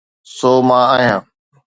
سو مان آهيان.